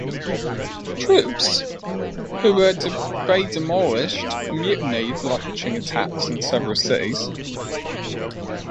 Troops who were to be demobilised mutinied, launching attacks in several cities.